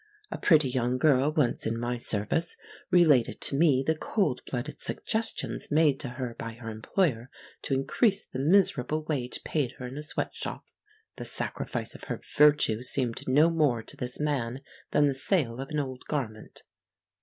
A pretty young girl once in my service related to me the cold blooded suggestions made to her by her employer to increase the miserable wage paid her in a sweat shop. The sacrifice of her virtue seemed no more to this man than the sale of an old garment.